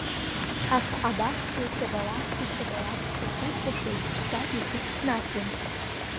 Аха абас иахьабалак, ишабалак сахьыкәашоз саб ихы ихнахуан.